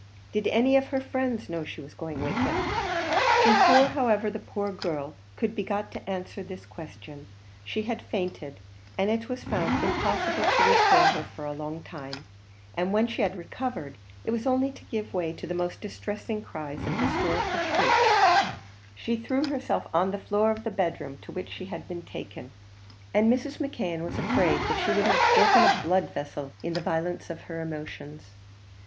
"Did any of her friends know she was going with him?" Before, however, the poor girl could be got to answer this question, she had fainted, and it was found impossible to restore her for a long time; and when she had recovered, it was only to give way to the most distressing cries and hysterical shrieks; she threw herself on the floor of the bedroom to which she had been taken, and Mrs. McKeon was afraid that she would have broken a blood vessel in the violence of her emotions.